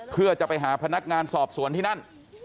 เพื่อจะไปหาพนักงานสอบสวนที่นั่น